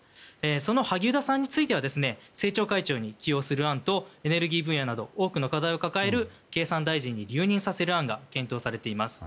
その萩生田さんについては政調会長に登用する案とエネルギー分野など多くの課題を抱える経産大臣に留任する案が検討されています。